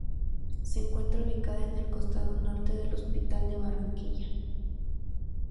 Se encuentra ubicada en el costado norte del Hospital de Barranquilla.